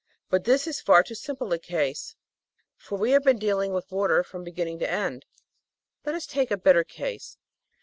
But this is far too simple a case, for we have been dealing with water from beginning to end. Let us take a better case.